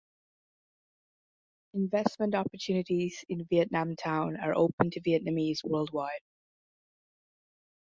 Investment opportunities in Vietnam Town are open to Vietnamese worldwide.